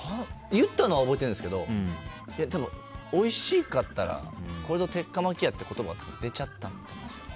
言ったのは覚えてるんですけど多分おいしかったからこれぞ鉄火巻きやっていう言葉出ちゃったんじゃないですかね。